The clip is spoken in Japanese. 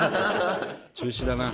中止だな。